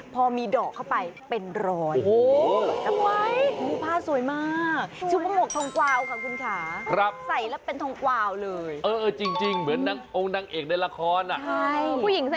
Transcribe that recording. พอมีดอกเข้าไปเป็นร้อย